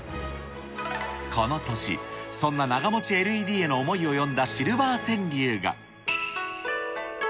この年、そんな長もちＬＥＤへの思いを詠んだシルバー川柳が。